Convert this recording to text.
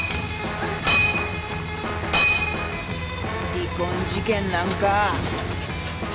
離婚事件なんか！